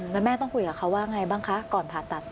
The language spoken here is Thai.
แล้วแม่ต้องคุยกับเขาว่าไงบ้างคะก่อนผ่าตัด